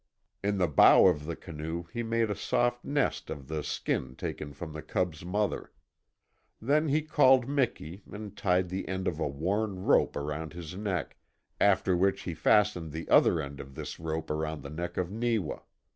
In the bow of the canoe he made a soft nest of the skin taken from the cub's mother. Then he called Miki and tied the end of a worn rope around his neck, after which he fastened the other end of this rope around the neck of Neewa.